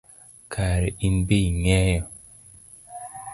Kare inbe ing’eyo?